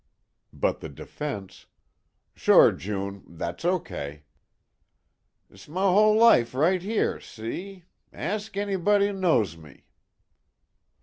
But the defense "Sure, June, that's okay." "'S my whole life right 'ere, see? Ask anybody knows me."